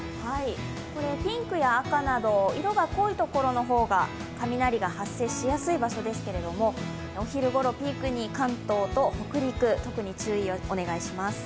ピンクや赤など、色が濃いところの方が雷が発生しやすい場所ですけれどお昼ごろピークに関東と北陸、特に注意をお願いします。